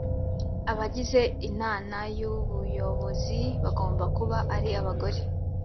abagize inana y ubuyobozi bagomba kuba ari abagore